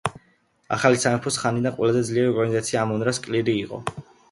ახალი სამეფოს ხანიდან ყველაზე ძლიერი ორგანიზაცია ამონ-რას კლირი იყო.